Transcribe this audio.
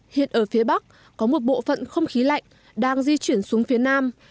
hiện ở phía bắc có một bộ phận không khí lạnh đang di chuyển xuống phía nam